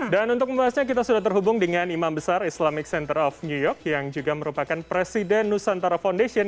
dan untuk memahasnya kita sudah terhubung dengan imam besar islamic center of new york yang juga merupakan presiden nusantara foundation